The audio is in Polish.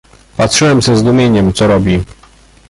"Patrzyłem ze zdumieniem, co robi."